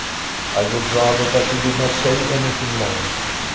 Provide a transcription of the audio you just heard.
"I would rather that you did not say anything more."